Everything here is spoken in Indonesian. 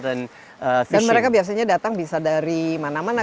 dan mereka biasanya datang bisa dari mana mana